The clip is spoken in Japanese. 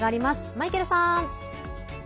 マイケルさん！